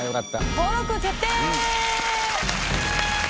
登録決定！